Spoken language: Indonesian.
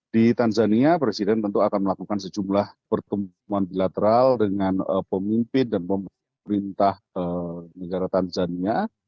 di tanzania presiden tentu akan melakukan sejumlah pertemuan bilateral dengan pemimpin dan pemerintah negara tanzania